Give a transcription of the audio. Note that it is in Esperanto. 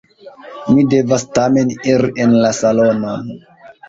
Mi devas tamen iri en la salonon.